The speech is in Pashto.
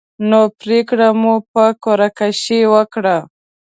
نو پرېکړه مو په قره کشۍ وکړه.